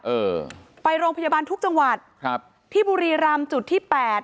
เออไปโรงพยาบาลทุกจังหวัดครับที่บุรีรำจุดที่แปด